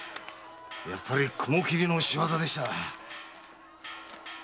やっぱり雲切の仕業でした。